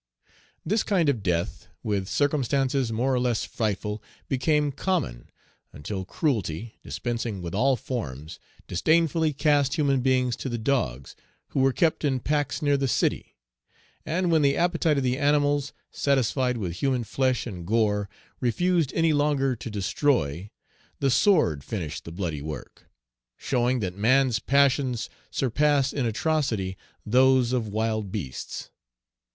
This kind of death, with circumstances more or less frightful, became common, until cruelty, dispensing with all forms, disdainfully cast human beings to the dogs, who were kept in packs near the city; and when the appetite of the animals, satisfied with human flesh and gore, refused any longer to destroy, the sword finished the bloody work: showing that man's passions surpass in atrocity those of wild beasts.